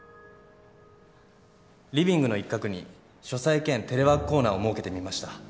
リビングの一角に書斎兼テレワークコーナーを設けてみました。